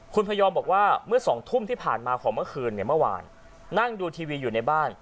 คุณพยอมบอกว่าเมื่อสองทุ่มที่ผ่านมาของเมื่อคืนเนี่ยเมื่อวานนั่งดูทีวีอยู่ในบ้าน